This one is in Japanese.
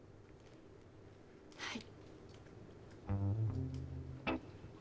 はい。